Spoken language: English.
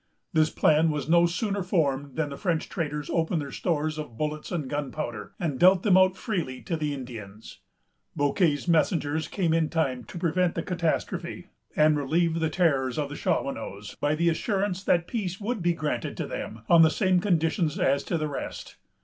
This plan was no sooner formed than the French traders opened their stores of bullets and gunpowder, and dealt them out freely to the Indians. Bouquet's messengers came in time to prevent the catastrophe, and relieve the terrors of the Shawanoes, by the assurance that peace would be granted to them on the same conditions as to the rest.